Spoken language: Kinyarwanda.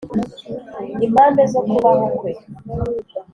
impande zo kubaho kwe